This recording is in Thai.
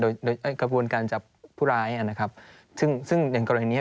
โดยกระบวนการจับผู้ร้ายซึ่งอย่างกรณีนี้